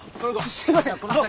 すいません。